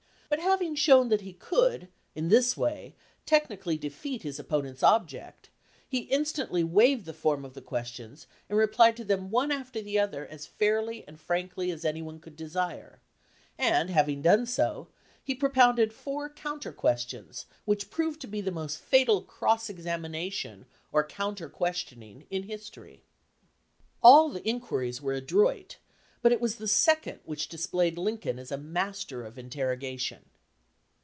But 275 LINCOLN THE LAWYER having shown that he could in this way techni cally defeat his opponent's object, he instantly waived the form of the questions and replied to them one after the other as fairly and frankly as any one could desire; and, having done so, he propounded four counter questions which proved to be the most fatal "cross examination" or counter questioning in history. All the inquiries were adroit, but it was the second which displayed Lincoln as a master of interrogation.